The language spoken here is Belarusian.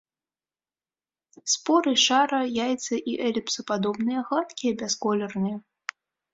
Споры шара-, яйца- і эліпсападобныя, гладкія, бясколерныя.